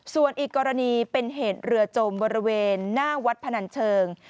ส่วนอีกกรณีเป็นเหตุเรือจมบริเวณหน้าวัดพนันเชิง